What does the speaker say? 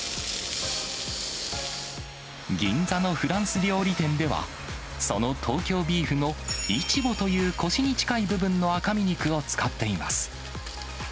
銀座のフランス料理店では、その東京ビーフのイチボという腰に近い部分の赤身肉を使っています。